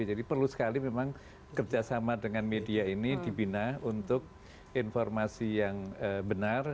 jadi perlu sekali memang kerjasama dengan media ini dibina untuk informasi yang benar